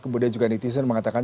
kemudian juga netizen mengatakan